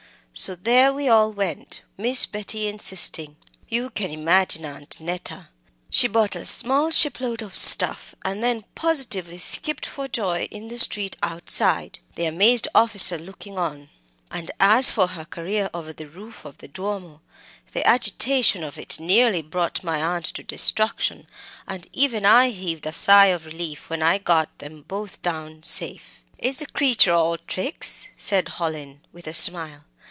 So there we all went, Miss Betty insisting. You can imagine Aunt Neta. She bought a small shipload of stuff and then positively skipped for joy in the street outside the amazed officer looking on. And as for her career over the roof of the Duomo the agitation of it nearly brought my aunt to destruction and even I heaved a sigh of relief when I got them both down safe." "Is the creature all tricks?" said Hallin, with a smile.